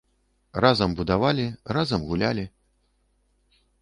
Разам будавалі, разам гулялі.